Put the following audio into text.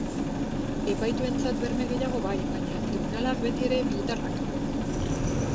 Epaituentzat berme gehiago bai, baina, tribunalak, betiere, militarrak.